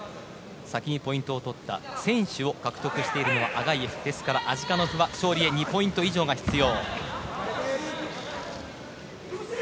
先にポイントを取った先取を獲得しているのはアガイェフですからアジカノフは勝利へ２ポイント以上が必要。